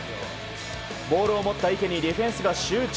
ボールを持った池にディフェンスが集中。